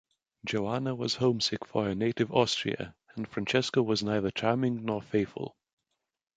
Joanna was homesick for her native Austria, and Francesco was neither charming nor faithful.